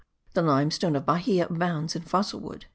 The limestone of Bahia abounds in fossil wood.)